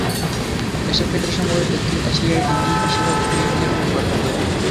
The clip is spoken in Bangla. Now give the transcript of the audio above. এসব ক্ষেত্রে সমগ্র দক্ষিণ এশিয়ায় তিনি বিশেষজ্ঞ হিসেবেও প্রখ্যাত।